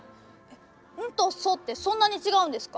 ンとソってそんなにちがうんですか？